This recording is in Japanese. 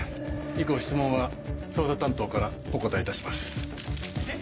以降質問は捜査担当からお答えいたします。